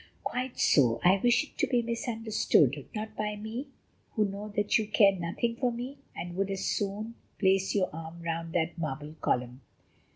"Quite so, I wish it to be misunderstood: not by me, who know that you care nothing for me and would as soon place your arm round that marble column."